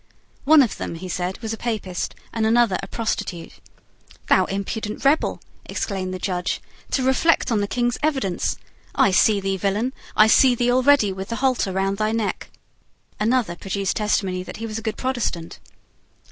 One of them, he said, was a Papist, and another a prostitute. "Thou impudent rebel," exclaimed the Judge, "to reflect on the King's evidence! I see thee, villain, I see thee already with the halter round thy neck." Another produced testimony that he was a good Protestant.